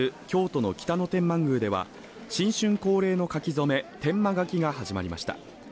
京都の北野天満宮では新春恒例の書き初め、天満書が始まりました。